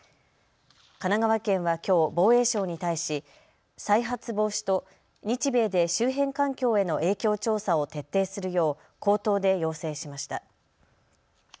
神奈川県はきょう防衛省に対し再発防止と日米で周辺環境への影響調査を徹底するよう口頭で要請しました。